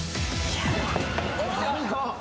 おっ！